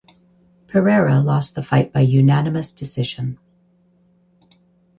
Pereira lost the fight by unanimous decision.